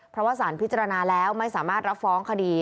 เพราะว่าสารพิจารณาแล้วไม่สามารถรับฟ้องคดี